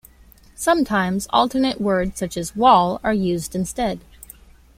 Sometimes alternate words, such as "wall," are used instead.